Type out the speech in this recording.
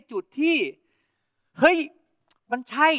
โปรดติดตามต่อไป